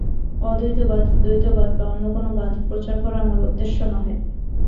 অদ্বৈতবাদ, দ্বৈতবাদ বা অন্য কোন বাদ প্রচার করা আমার উদ্দেশ্য নহে।